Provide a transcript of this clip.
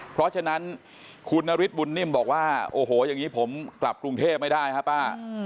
เพราะฉะนั้นคุณนฤทธบุญนิ่มบอกว่าโอ้โหอย่างนี้ผมกลับกรุงเทพไม่ได้ครับป้า